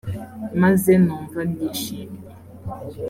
maze numva ndishimye